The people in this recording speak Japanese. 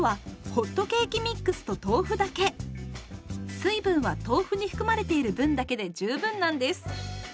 水分は豆腐に含まれている分だけで十分なんです。